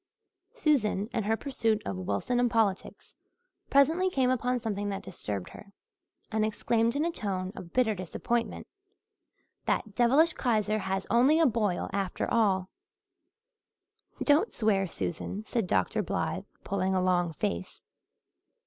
Susan, in her pursuit of Wilson and politics, presently came upon something that disturbed her and exclaimed in a tone of bitter disappointment, "That devilish Kaiser has only a boil after all." "Don't swear, Susan," said Dr. Blythe, pulling a long face.